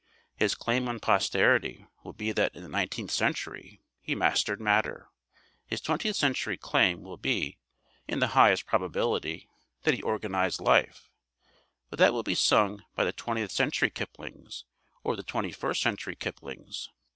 His claim on posterity will be that in the nineteenth century he mastered matter; his twentieth century claim will be, in the highest probability, that he organized life but that will be sung by the twentieth century Kiplings or the twenty first century Kiplings.